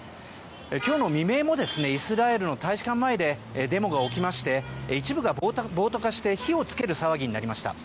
今日の未明もイスラエルの大使館前でデモが起きまして一部が暴徒化して火を付ける騒ぎになりました。